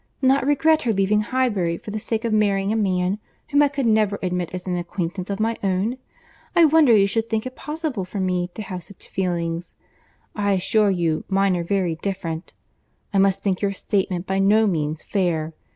Not regret her leaving Highbury for the sake of marrying a man whom I could never admit as an acquaintance of my own! I wonder you should think it possible for me to have such feelings. I assure you mine are very different. I must think your statement by no means fair.